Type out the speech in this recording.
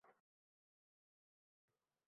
Senga toqat tilaganlarim